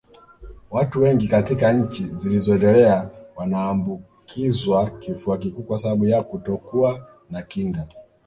Watu wengi katika nchi zilizoendelea wanaambukizwa kifua kikuu kwa sababu ya kutokuwa na kinga